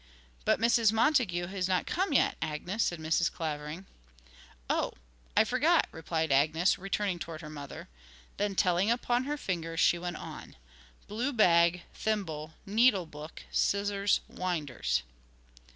'But Mrs. Montague is not come yet, Agnes,' said Mrs. Clavering. 'Oh, I forgot,' replied Agnes, returning towards her mother. Then, telling upon her fingers she went on: 'Blue bag, thimble, needle book, scissors, winders.'